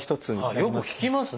よく聞きますね。